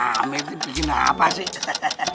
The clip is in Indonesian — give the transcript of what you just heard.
wah amet itu bikin apa sih